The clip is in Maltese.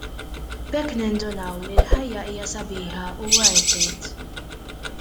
B'hekk nindunaw li l-ħajja hija sabiħa u " worth it "!